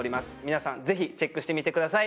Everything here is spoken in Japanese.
皆さんぜひチェックしてみてください。